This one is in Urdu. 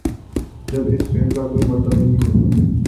جب اس فعل کا کوئی مطلب نہیں ہوتا۔